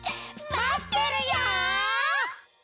まってるよ！